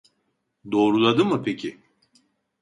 Doğruladı mı peki ?